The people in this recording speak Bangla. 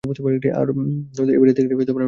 আর এই বাড়িটাকেও আমি ভালোবাসি।